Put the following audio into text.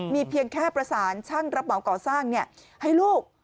มีเพียงแค่ประสานช่างรับเหมาก่อสร้างให้ลูก